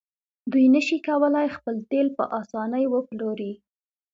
دوی نشي کولی خپل تیل په اسانۍ وپلوري.